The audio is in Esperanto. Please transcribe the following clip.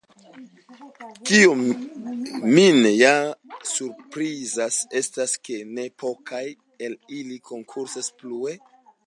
Kio min ja surprizas estas ke ne pokaj el ili konkursas plue!